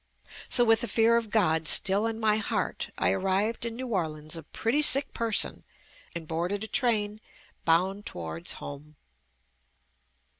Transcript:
So with the fear of God still in my heart, I arrived in New Orleans a pretty sick person and boarded a train bound towards home.